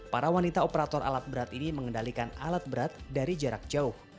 para wanita operator alat berat ini mengendalikan alat berat dari jarak jauh